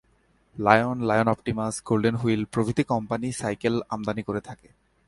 Lion, Lion Optimus, Golden Wheel প্রভৃতি company cycle আমদানি করে থাকে।